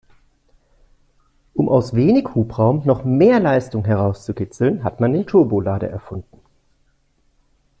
Um aus wenig Hubraum noch mehr Leistung herauszukitzeln, hat man Turbolader erfunden.